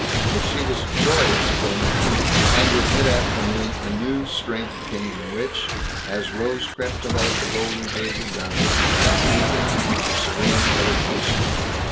But she was joyous till noon; and with mid afternoon a new strength came which, as rose crept above the golden haze of dust, deepened into serene meditation.